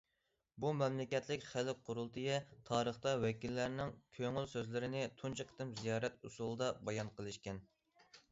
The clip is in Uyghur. بۇ مەملىكەتلىك خەلق قۇرۇلتىيى تارىخىدا ۋەكىللەرنىڭ كۆڭۈل سۆزلىرىنى تۇنجى قېتىم زىيارەت ئۇسۇلىدا بايان قىلىشىكەن.